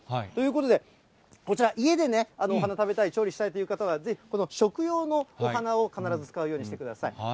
ということで、こちら、家でお花食べたい、調理したいという方は、ぜひ食用のお花を必ず使うようにしてください。